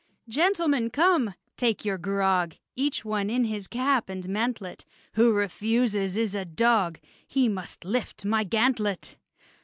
Gentlemen, come! take your grog! Each one in his cap and mantlet: Who refuses is a dog! He must lift my gantlet!